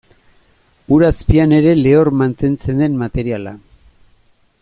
Ur azpian ere lehor mantentzen den materiala.